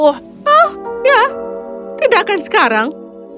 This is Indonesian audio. hah ya tidakkan sekarang